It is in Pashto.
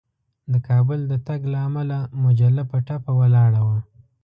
د کابل د تګ له امله مجله په ټپه ولاړه وه.